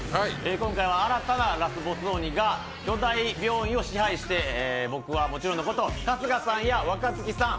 今回は新たなラスボス鬼が巨大病院を支配して僕はもちろんのこと春日さんや若槻さん